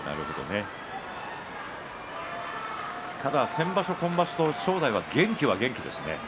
先場所、今場所とただ正代は元気ですね。